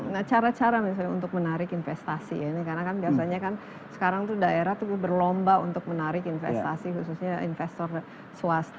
nah cara cara misalnya untuk menarik investasi ya ini karena kan biasanya kan sekarang tuh daerah tuh berlomba untuk menarik investasi khususnya investor swasta